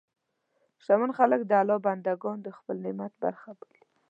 شتمن خلک د الله بندهګان د خپل نعمت برخه بولي.